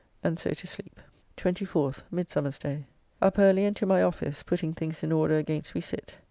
And so to sleep. 24th (Midsummer day). Up early and to my office, putting things in order against we sit.